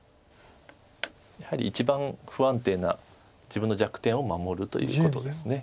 やはり一番不安定な自分の弱点を守るということです。